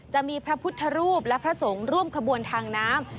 จะมีพระพุทธรูปและพระสงฆ์ร่วมขบวนทางน้ำ